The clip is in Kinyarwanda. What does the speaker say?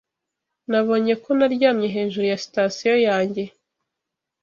Nabonye ko naryamye hejuru ya sitasiyo yanjye.